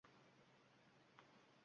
Termiz shahrini quyuq tuman qopladi